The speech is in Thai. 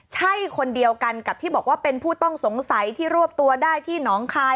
ใช่คนเดียวกันกับที่บอกว่าเป็นผู้ต้องสงสัยที่รวบตัวได้ที่หนองคาย